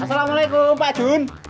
assalamualaikum pak jun